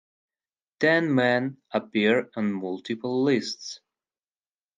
Ten men appear on multiple lists.